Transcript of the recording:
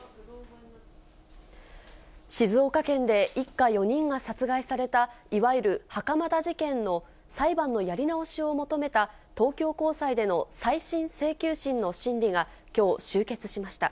静岡県で一家４人が殺害された、いわゆる袴田事件の裁判のやり直しを求めた東京高裁での再審請求審の審理がきょう、終結しました。